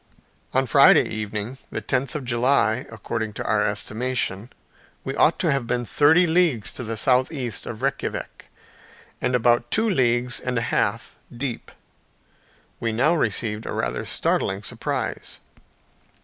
On Friday evening, the tenth of July, according to our estimation, we ought to have been thirty leagues to the southeast of Reykjavik, and about two leagues and a half deep. We now received a rather startling surprise.